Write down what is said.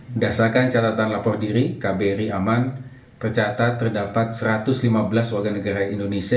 berdasarkan catatan lapor diri kbri aman tercatat terdapat satu ratus lima belas warga negara indonesia